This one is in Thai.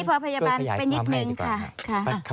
ผมก็จะขยายความให้ดีกว่าค่ะ